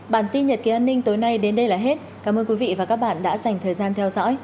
bản tin nhật ký an ninh tối nay đến đây là hết cảm ơn quý vị và các bạn đã dành thời gian theo dõi